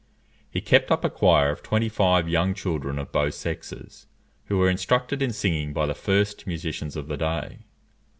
He kept up a choir of twenty five young children of both sexes, who were instructed in singing by the first musicians of the day.